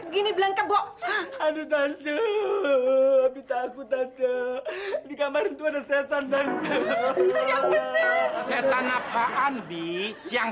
gini belengkep bok aduh tante takut tante di kamar itu ada setan setan apaan bic yang